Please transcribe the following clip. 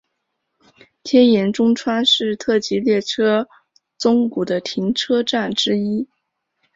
天盐中川是特急列车宗谷的停车站之一。